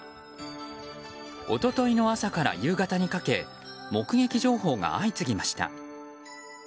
一昨日の朝から夕方にかけ目撃情報が相次ぎました。